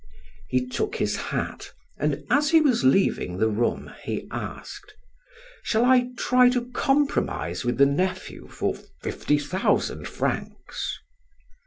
He took his hat, and, as he was leaving the room, he asked: "Shall I try to compromise with the nephew for fifty thousand francs?"